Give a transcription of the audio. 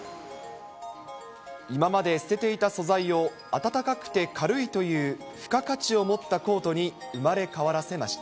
今まで捨てていた素材を、暖かくて軽いという付加価値を持ったコートに生まれ変わらせました。